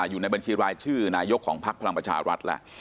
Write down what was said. อยู่ในบัญชีรายชื่อนายกของพักพลังประชารัฐแล้ว